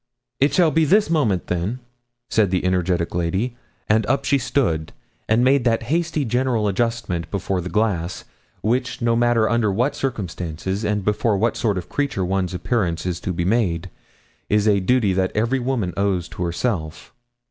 'It shall be this moment, then,' said the energetic lady, and up she stood, and made that hasty general adjustment before the glass, which, no matter under what circumstances, and before what sort of creature one's appearance is to be made, is a duty that every woman owes to herself.